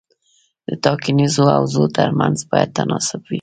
د ټاکنیزو حوزو ترمنځ باید تناسب وي.